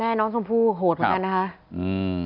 แม่น้องชมพู่โหดมากนั้นนะคะ